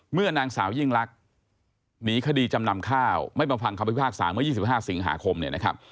เมื่อนางสาวยิ่งลักษณ์หนีคดีจำนำข้าวไม่มาฟังคำพิพากษาเมื่อ๒๕สิงหาคมเนี่ยนะครับ